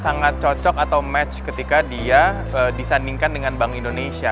sangat cocok atau match ketika dia disandingkan dengan bank indonesia